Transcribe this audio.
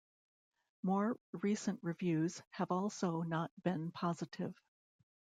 More recent reviews have also not been positive.